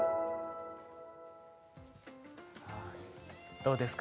どうですか？